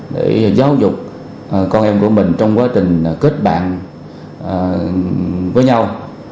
để giáo dục con em của mình trong quá trình kết bạn với nhau